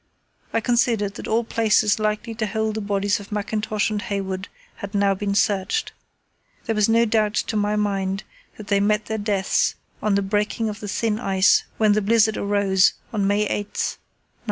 I considered that all places likely to hold the bodies of Mackintosh and Hayward had now been searched. There was no doubt to my mind that they met their deaths on the breaking of the thin ice when the blizzard arose on May 8, 1916.